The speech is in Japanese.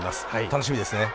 楽しみですね。